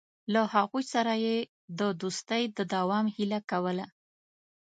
له هغوی سره یې د دوستۍ د دوام هیله کوله.